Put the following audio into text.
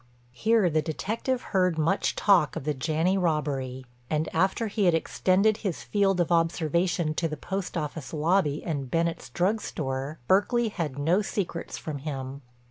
Here the detective heard much talk of the Janney robbery, and, after he had extended his field of observation to the post office lobby and Bennett's drug store, Berkeley had no secrets from him.